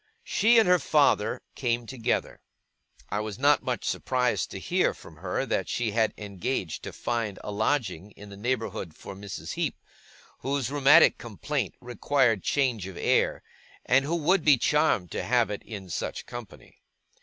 She and her father came together. I was not much surprised to hear from her that she had engaged to find a lodging in the neighbourhood for Mrs. Heep, whose rheumatic complaint required change of air, and who would be charmed to have it in such company.